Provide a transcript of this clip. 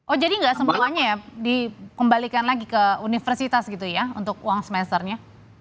oh jadi nggak semuanya ya dikembalikan lagi ke universitas gitu ya untuk uang semesternya